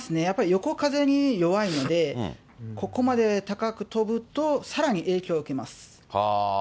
やっぱり横風に弱いので、ここまで高く跳ぶと、さらに影響受けます。